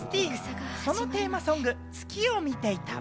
そのテーマソング『月を見ていた』。